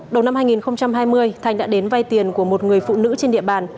đầu năm hai nghìn hai mươi thanh đã đến vay tiền của một người phụ nữ trên địa bàn